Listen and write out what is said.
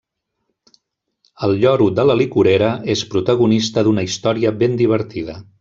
El lloro de la licorera és protagonista d’una història ben divertida.